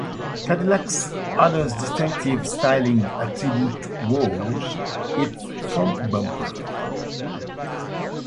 Cadillac's other distinctive styling attribute was its front-bumper.